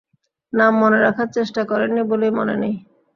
নাম মনে রাখার চেষ্টা করেন নি বলেই মনে নেই।